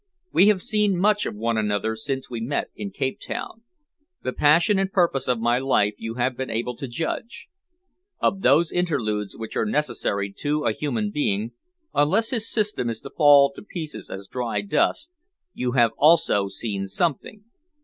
We have seen much of one another since we met in Cape Town. The passion and purpose of my life you have been able to judge. Of those interludes which are necessary to a human being, unless his system is to fall to pieces as dry dust, you have also seen something.